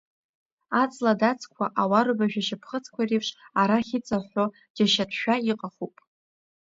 Аҵла адацқәа, ауарбажә ашьапхыцқәа реиԥш арахь иҵҳәҳәо, џьашьатәшәа иҟахуп.